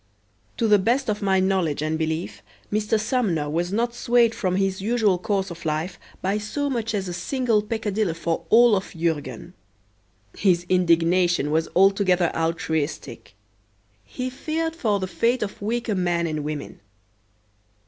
To the best of my knowledge and belief, Mr. Sumner was not swayed from his usual course of life by so much as a single peccadillo for all of Jurgen. His indignation was altogether altruistic. He feared for the fate of weaker men and women.